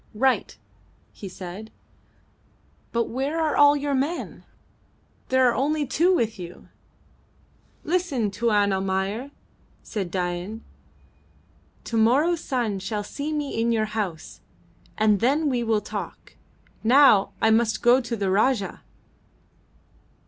"Right," he said. "But where are all your men? There are only two with you." "Listen, Tuan Almayer," said Dain. "To morrow's sun shall see me in your house, and then we will talk. Now I must go to the Rajah."